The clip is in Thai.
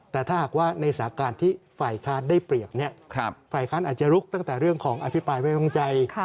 แต่ถ้าหากว่าในสาการที่ฝ่ายค้านได้เปรียบฝ่ายค้านอาจจะลุกตั้งแต่เรื่องของอภิปรายไว้วางใจ